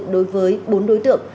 đối với bốn đối tượng